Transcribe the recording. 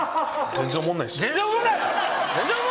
「全然おもんない」